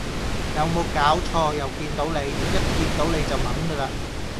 有冇搞錯又見到你一見到你就炆㗎喇